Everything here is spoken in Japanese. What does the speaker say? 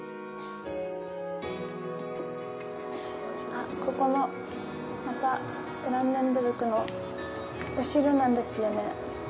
あっ、ここもまたブランデンブルクのお城なんですよね。